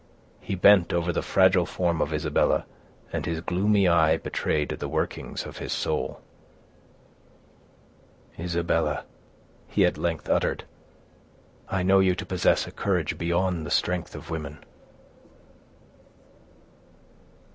He bent over the fragile form of Isabella, and his gloomy eye betrayed the workings of his soul. "Isabella," he at length uttered, "I know you to possess a courage beyond the strength of women."